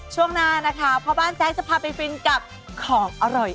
ช่วงหน้านะคะพ่อบ้านแจ๊คจะพาไปฟินกับของอร่อย